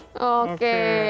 gitu mbak may